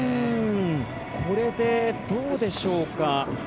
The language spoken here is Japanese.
これで、どうでしょうか。